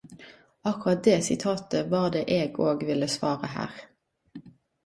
Akkurat det sitatet var det eg og ville svare her.